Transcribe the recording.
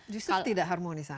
justru ketidak harmonisan